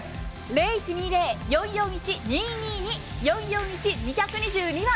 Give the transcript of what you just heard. ０１２０‐４４１‐２２２４４１‐２２２番。